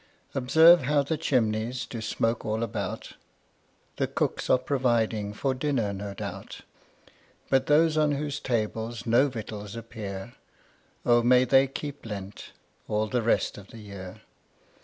Observe how the chimneys Do smoke all about; The cooks are providing For dinner, no doubt; But those on whose tables No victuals appear, O may they keep Lent All the rest of the year.